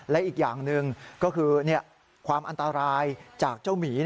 และอีกอย่างหนึ่งก็คือความอันตรายจากเจ้าหมี